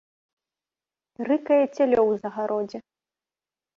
Рыкае цялё ў загародзе.